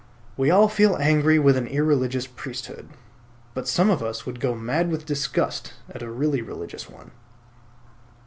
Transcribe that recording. We all feel angry with an irreligious priesthood; but some of us would go mad with disgust at a really religious one.